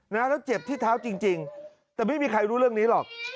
แล้วเจ็บที่เท้าจริงแต่ไม่มีใครรู้เรื่องนี้หรอก